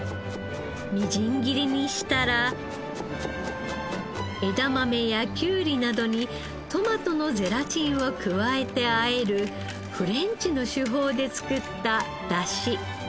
みじん切りにしたら枝豆やきゅうりなどにトマトのゼラチンを加えてあえるフレンチの手法で作っただし。